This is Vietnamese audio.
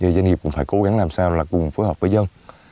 doanh nghiệp cũng phải cố gắng làm sao là cùng phối hợp với dân